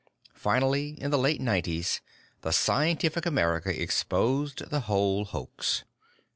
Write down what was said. Finally, in the late nineties, The Scientific American exposed the whole hoax.